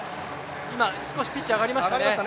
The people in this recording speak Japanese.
今、少しピッチが上がりましたね。